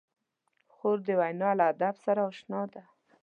خور د وینا له ادب سره اشنا ده.